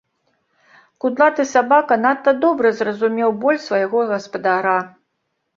Кудлаты сабака надта добра зразумеў боль свайго гаспадара.